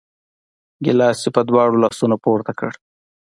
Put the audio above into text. ګیلاس یې په دواړو لاسو پورته کړ!